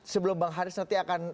sebelum bang haris nanti akan